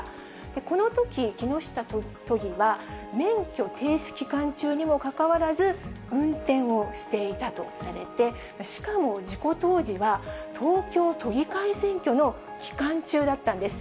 このとき、木下都議は、免許停止期間中にもかかわらず、運転をしていたとされて、しかも事故当時は、東京都議会選挙の期間中だったんです。